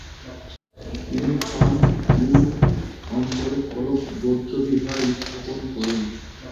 তিনি 'ফান-য়ুল অঞ্চলে কলপ বৌদ্ধবিহার স্থাপন করেন।